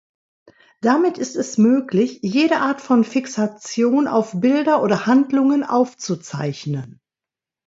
Damit ist es möglich, jede Art von Fixation auf Bilder oder Handlungen aufzuzeichnen.